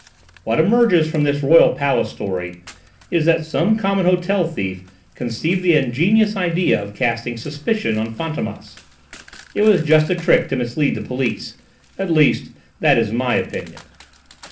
"What emerges from this Royal Palace story is that some common hotel thief conceived the ingenious idea of casting suspicion on Fantômas: it was just a trick to mislead the police: at least, that is my opinion."